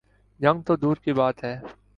جنگ تو دور کی بات ہے۔